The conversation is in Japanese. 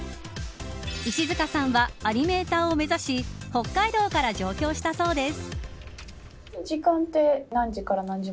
石塚さんはアニメーターを目指し北海道から上京したそうです。